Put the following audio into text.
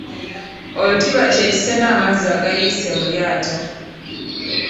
Olutiba kye kisena amazzi agayiise mu lyato.